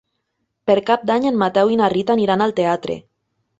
Per Cap d'Any en Mateu i na Rita aniran al teatre.